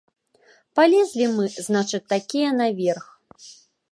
Палезлі мы, значыць, такія наверх.